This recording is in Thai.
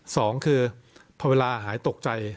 สองคือพอเวลาหายตกใจ